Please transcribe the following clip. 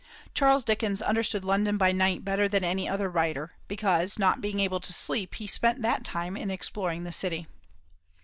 Charles Dickens understood London by night better than any other writer, because not being able to sleep he spent that time in exploring the city.